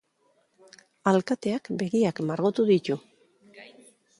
Alkateak begiak margotu ditu!